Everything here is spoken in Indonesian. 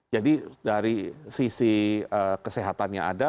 jadi dari sisi kesehatannya ada